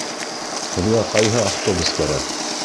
Һеҙгә ҡайһы автобус кәрәк?